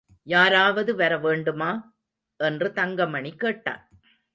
யாராவது வர வேண்டுமா? என்று தங்கமணி கேட்டான்.